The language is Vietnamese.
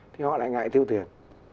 thì họ lại ngại tiêu tiền